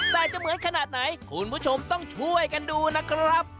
แต่จะเหมือนขนาดไหนคุณผู้ชมต้องช่วยกันดูนะครับ